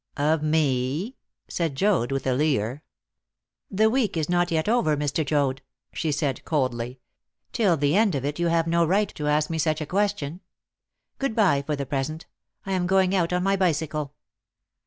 "Of me?" said Joad with a leer. "The week is not yet over, Mr. Joad," she said coldly; "till the end of it you have no right to ask me such a question. Good bye for the present; I am going out on my bicycle."